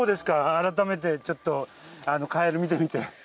改めてちょっとカエル見てみて。